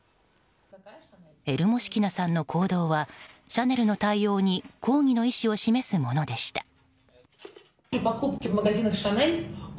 エルモシキナさんの行動はシャネルの対応に抗議の意思を示すものでした。